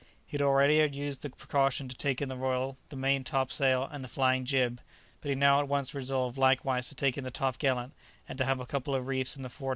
He had already used the precaution to take in the royal, the main top sail, and the flying jib, but he now at once resolved likewise to take in the top gallant, and to have a couple of reefs in the foretop sail.